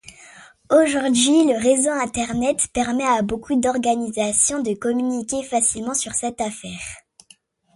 Aujourd'hui, le réseau internet permet à beaucoup d'organisations de communiquer facilement sur cette affaire.